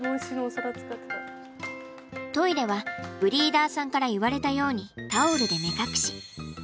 トイレはブリーダーさんから言われたようにタオルで目隠し。